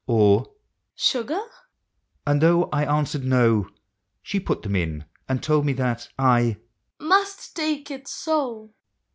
or " Sugar?" and though I answered, " No," She put them in, and told me that I " must take it so!"